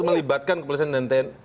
melibatkan kepolisian tni polri